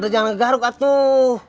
jangan ngegaruk atuh